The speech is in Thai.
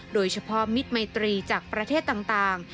โดยเฉพาะมิตรไมธรีจากประเทศต่าง